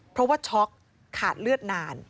เพราะว่าช็อกขาดเลือดนาน